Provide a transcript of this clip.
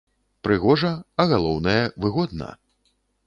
Прыгожа, а галоўнае, выгодна.